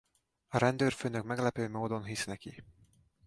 A rendőrfőnök meglepő módon hisz neki.